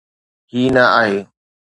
هي نه آهي.